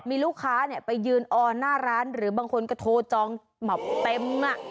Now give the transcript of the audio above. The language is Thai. มีลูกค้าเนี่ยไปยืนออนหน้าร้านหรือบางคนก็โทรจองแบบเต็มอ่ะ